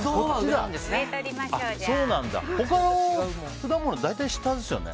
他の果物は大体下ですよね。